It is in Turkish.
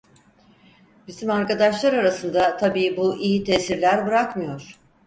Bizim arkadaşlar arasında tabii bu iyi tesirler bırakmıyor: